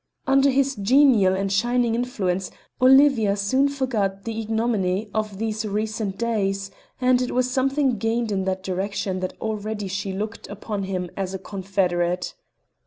Under his genial and shining influence Olivia soon forgot the ignominy of these recent days, and it was something gained in that direction that already she looked upon him as a confederate.